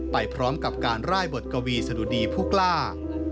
ไปพร้อมกับการร่ายบทกวีสะดุดีผู้กล้า